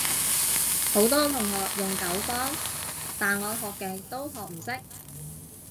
好多同學用九方，但我學極都學唔識